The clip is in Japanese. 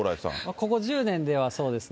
ここ１０年では、そうですね。